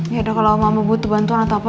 yaudah kalau mama butuh bantuan atau apa